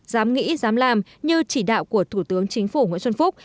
dám nghĩ dám làm như chỉ đạo của thủ tướng chính phủ nguyễn xuân phúc